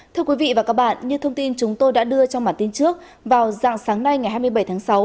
thưa quý vị và các bạn như thông tin chúng tôi đã đưa trong bản tin trước vào dạng sáng nay ngày hai mươi bảy tháng sáu